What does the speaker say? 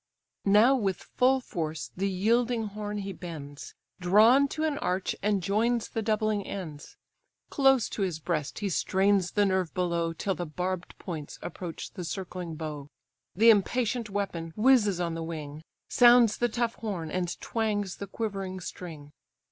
Now with full force the yielding horn he bends, Drawn to an arch, and joins the doubling ends; Close to his breast he strains the nerve below, Till the barb'd points approach the circling bow; The impatient weapon whizzes on the wing; Sounds the tough horn, and twangs the quivering string.